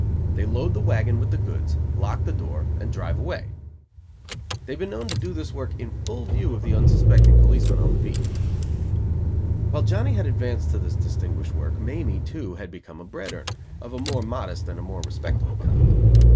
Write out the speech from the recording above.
They load the wagon with the goods, lock the door, and drive away. They have been known to do this work in full view of the unsuspecting policeman on the beat. While Johnny had advanced to this distinguished work, Mamie, too, had become a bread earner, of a more modest and a more respectable kind.